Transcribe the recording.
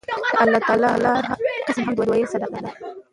د الله تعالی هر قِسم حمد ويل صدقه ده